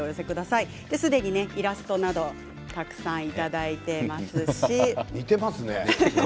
すでにイラストなどたくさんいただいていますし。